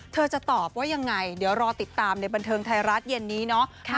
จะตอบว่ายังไงเดี๋ยวรอติดตามในบันเทิงไทยรัฐเย็นนี้เนาะ